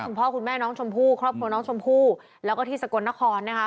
คุณพ่อคุณแม่น้องชมพู่ครอบครัวน้องชมพู่แล้วก็ที่สกลนครนะคะ